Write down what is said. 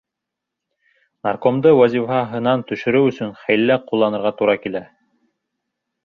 Наркомды вазифаһынан төшөрөү өсөн хәйлә ҡулланырға тура килә.